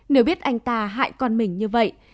nếu biết anh ta hại con mình như vậy